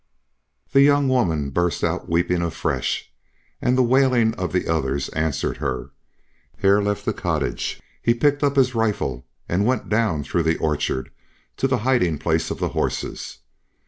The young woman burst out weeping afresh, and the wailing of the others answered her. Hare left the cottage. He picked up his rifle and went down through the orchard to the hiding place of the horses.